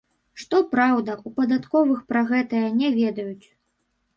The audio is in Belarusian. Што праўда, у падатковых пра гэтае не ведаюць.